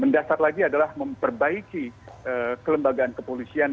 mendasar lagi adalah memperbaiki kelembagaan kepolisian